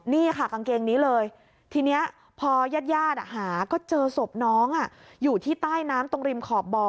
นี่ค่ะกางเกงนี้เลยทีนี้พอญาติหาก็เจอศพน้องอยู่ที่ใต้น้ำตรงริมขอบบ่อ